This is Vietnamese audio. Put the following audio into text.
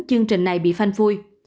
chương trình này bị phanh phui